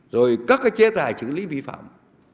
rồi các cái chế tài xử lý vi phạm